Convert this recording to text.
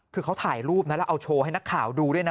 คือเขาถ่ายรูปนะแล้วเอาโชว์ให้นักข่าวดูด้วยนะ